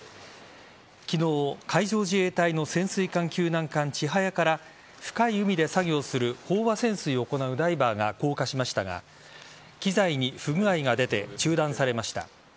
昨日、海上自衛隊の潜水艦救難艦「ちはや」から深い海で作業する飽和潜水を行うダイバーが降下しましたが機材に不具合が出て中断されました。